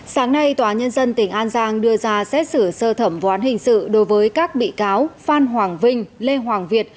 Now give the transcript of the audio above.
sáng nay tòa nhân dân tỉnh an giang đưa ra xét xử sơ thẩm võ án hình sự đối với các bị cáo phan hoàng vinh lê hoàng việt